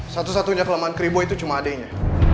satu satunya kelemahan keribuk itu cuma adeknya